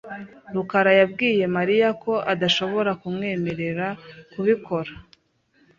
rukara yabwiye Mariya ko adashobora kumwemerera kubikora .